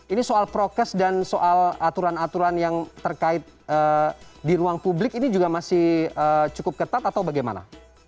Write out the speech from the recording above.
ini soal prokes dan soal aturan aturan yang terkait di ruang publik ini juga masih cukup ketat atau bagaimana